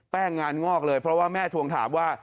งานงอกเลยเพราะว่าแม่ทวงถามว่า